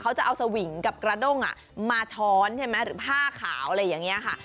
เขาจะเอาสวิงกับกระด้งมาช้อนใช่ไหมหรือผ้าขาวอะไรอย่างนี้ค่ะ